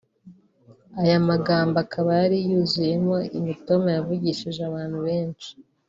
aya magambo akaba yari yuzuyemo imitoma yavugishije abantu benshi